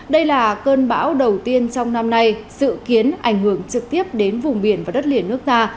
đây là cơn bão đầu tiên trong năm nay dự kiến ảnh hưởng trực tiếp đến vùng biển và đất liền nước ta